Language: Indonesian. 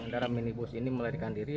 kendaraan minibus ini melarikan diri